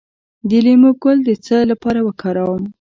د لیمو ګل د څه لپاره وکاروم؟